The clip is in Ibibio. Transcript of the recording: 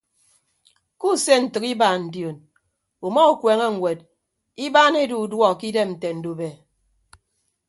Kuuse ntәk ibaan dion uma ukueene ñwed ibaan edu uduọ ke idem nte ndube.